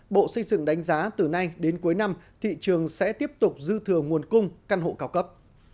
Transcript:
bộ xây dựng đánh giá từ nay đến cuối năm thị trường sẽ tiếp tục dư thừa nguồn cung căn hộ cao cấp